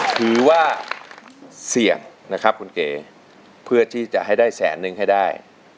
ถือว่าเสี่ยงนะครับคุณเก๋เพื่อที่จะให้ได้แสนนึงให้ได้